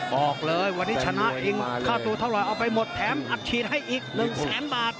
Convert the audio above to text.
บอกเลยวันนี้ชนะเองค่าตัวเท่าไหร่เอาไปหมดแถมอัดฉีดให้อีก๑แสนบาท